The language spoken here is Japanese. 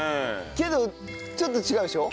けどちょっと違うでしょ？